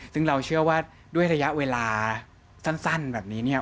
ซึ่งเราเชื่อว่าด้วยระยะเวลาสั้นแบบนี้เนี่ย